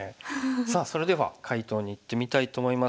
さあそれでは解答にいってみたいと思います。